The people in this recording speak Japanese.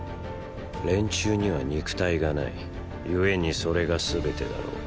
連中には肉体がないゆえにそれが全てだろう。